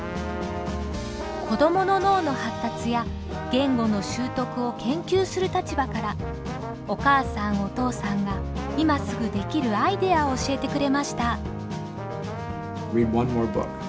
子どもの脳の発達や言語の習得を研究する立場からお母さんお父さんが今すぐできるアイデアを教えてくれました。